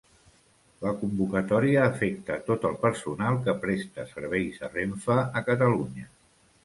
La convocatòria afecta tot el personal que presta serveis a Renfe a Catalunya.